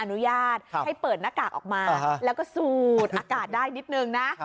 อนุญาตให้เปิดหน้ากากออกมาแล้วก็สูดอากาศได้นิดนึงนะ